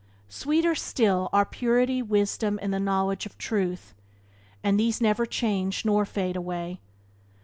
Sweeter still are Purity, Wisdom, and the knowledge of Truth, and these never change nor fade away.